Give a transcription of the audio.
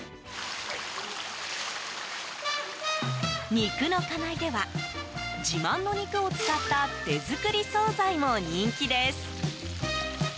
肉の金井では自慢の肉を使った手作り総菜も人気です。